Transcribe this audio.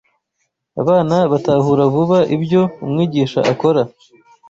Abana batahura vuba ibyo umwigisha akora